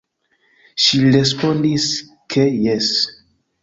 Ŝi respondis, ke jes".